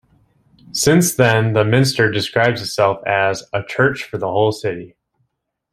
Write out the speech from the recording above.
Since then the Minster describes itself as "A church for the whole City".